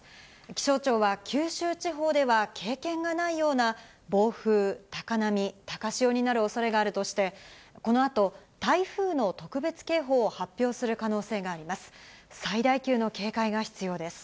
気象庁は、九州地方では経験がないような暴風、高波、高潮になるおそれがあるとして、このあと、台風の特別警報を発表する可能性があります。